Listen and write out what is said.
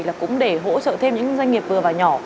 là cũng để hỗ trợ thêm những doanh nghiệp vừa và nhỏ